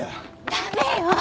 駄目よ。